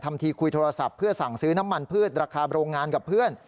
ทีคุยโทรศัพท์เพื่อสั่งซื้อน้ำมันพืชราคาโรงงานกับเพื่อน